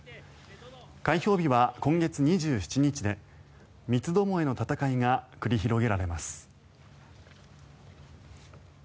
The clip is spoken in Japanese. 開票日は今月２７日で三つどもえの戦いが繰り広げられます。